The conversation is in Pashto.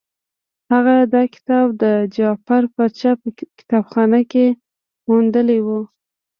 هغه دا کتاب د جعفر پاشا په کتابخانه کې موندلی وو.